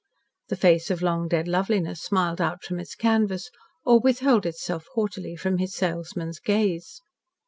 The face of long dead loveliness smiled out from its canvas, or withheld itself haughtily from his salesman's gaze.